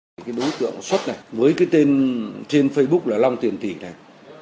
với cái tên trên facebook là long tiền tỷ này